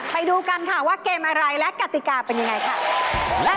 ไปดูกันค่ะว่าเกมอะไรและกติกาเป็นยังไงค่ะ